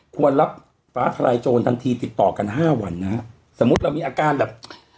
ควรรับฟ้าทลายโจรทันทีติดต่อกันห้าวันนะฮะสมมุติเรามีอาการแบบ